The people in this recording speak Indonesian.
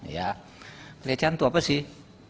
ya pelecehan itu apa sih